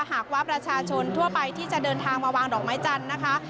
หากว่าประชาชนทั่วไปที่จะเดินทางมาวางดอกไม้จันทร์นะคะ